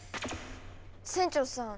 船長さん